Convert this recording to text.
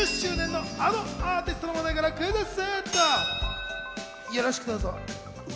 まずはデビュー２０周年のあのアーティストの話題からクイズッス！